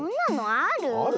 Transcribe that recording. ある？